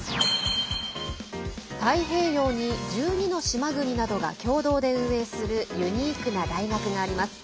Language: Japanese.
太平洋に１２の島国などが共同で運営するユニークな大学があります。